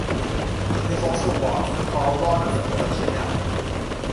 She has also walked for Karl Lagerfeld at Chanel.